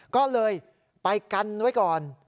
ก็เลยไปกันไว้ก่อน